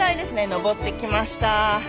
のぼってきました。